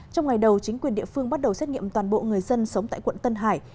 trong ngày đầu chính quyền địa phương bắt đầu xét nghiệm toàn bộ người dân sống tại quận tân hải